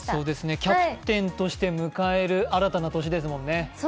キャプテンとして迎える新たな年ですもんね。